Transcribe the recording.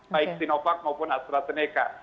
baik sinovac maupun astrazeneca